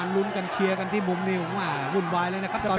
มั่นใจว่าจะได้แชมป์ไปพลาดโดนในยกที่สามครับเจอหุ้กขวาตามสัญชาตยานหล่นเลยครับ